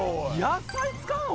野菜使うの？